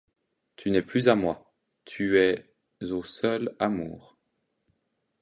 Tu n'es plus à moi, tu es au seul Amour.